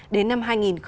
đến năm hai nghìn ba mươi